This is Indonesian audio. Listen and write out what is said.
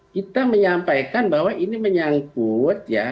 kita menyampaikan bahwa ini menyangkut ya